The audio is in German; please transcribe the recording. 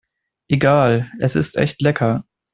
Egal, es ist echt lecker.